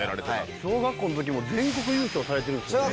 小学校の時も全国優勝されてるんですよね。